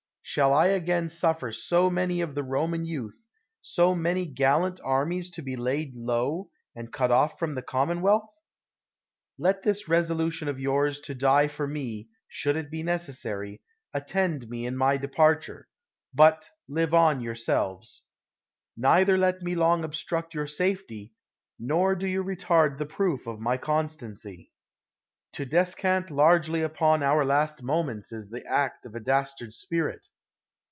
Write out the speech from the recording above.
Shall I again suffer so many of the Roman youth, so many gallant armies to be laid low, and cut off from the commonwealth? Let this resolution of yours to die for me, should it be necessary, attend me in my departure; but live on yourselves. Neither let me long obstruct your safety, nor do you retard the proof of my constancy. To descant largely upon our last moments is the act of a dastard spirit.